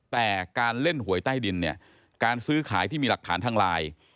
แต่การเล่นหวยใต้ดินเนี่ยการซื้อขายที่มีหลักฐานทางไลน์